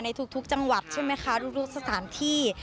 ในทุกจังหวัดใช่ไหมคะทุกสถานที่